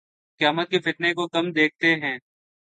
قیامت کے فتنے کو، کم دیکھتے ہیں